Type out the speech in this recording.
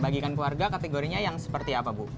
bagikan keluarga kategorinya yang seperti apa bu